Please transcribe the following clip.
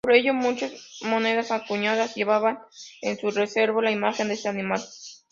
Por ello, muchas monedas acuñadas llevaban en su reverso la imagen de este animal.